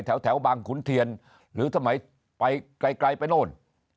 แถวบางขุนเทียนหรือสมัยไปไกลไปโน่น